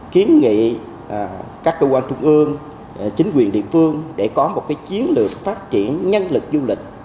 kiến nghị các cơ quan trung ương chính quyền địa phương để có một chiến lược phát triển nhân lực du lịch